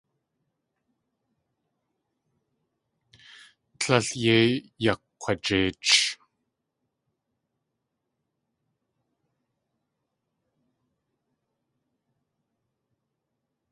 Tlél yei yakg̲wajeich.